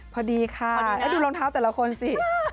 พอดีค่ะแล้วดูรองเท้าแต่ละคนสิ